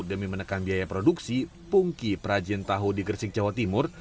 demi menekan biaya produksi pungki perajin tahu di gresik jawa timur